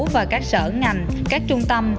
và các sở ngành các trung tâm